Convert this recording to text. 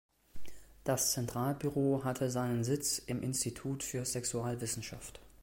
Das Zentralbüro hatte seinen Sitz im Institut für Sexualwissenschaft.